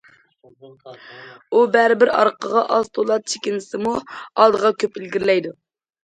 ئۇ بەرىبىر ئارقىغا ئاز- تولا چېكىنسىمۇ، ئالدىغا كۆپ ئىلگىرىلەيدۇ.